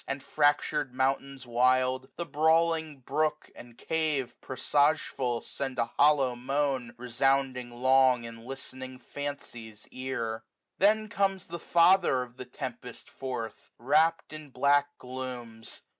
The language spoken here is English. And fractur'd mountains wild, the brawltUg btook And cave, presageful, send a holloa moan^ 7^ Resounding loi^ in listening Fancy's ear. Then comes the father of the tempest forth^ Wrapt in black glooms.